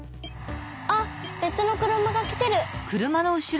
あっべつのくるまがきてる！